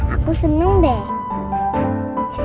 aku seneng deh